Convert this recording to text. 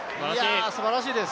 すばらしいです。